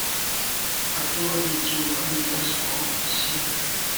A tuahmi cu a ning a zak awk a si.